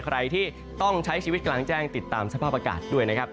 ใครที่ต้องใช้ชีวิตกลางแจ้งติดตามสภาพอากาศด้วยนะครับ